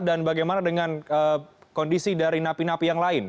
dan bagaimana dengan kondisi dari napi napi yang lain